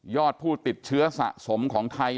ผู้ติดเชื้อสะสมของไทย